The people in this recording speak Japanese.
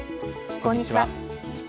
こんにちは。